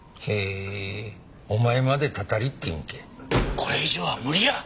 これ以上は無理や！